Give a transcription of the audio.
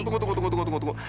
tunggu tunggu tunggu